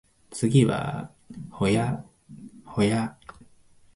次は保谷保谷